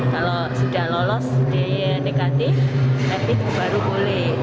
kalau sudah lolos di negatif rapid baru boleh